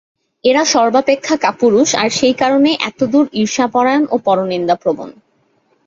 এরা সর্বপেক্ষা কাপুরুষ আর সেই কারণেই এতদূর ঈর্ষাপরায়ণ ও পরনিন্দাপ্রবণ।